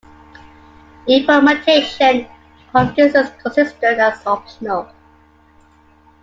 Implementation of this is considered as optional.